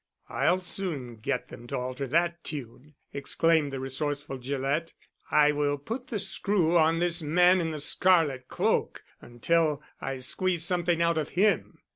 "I'll soon get them to alter that tune!" exclaimed the resourceful Gillett. "I will put the screw on this man in the scarlet cloak until I squeeze something out of him."